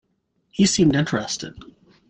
He seemed interested.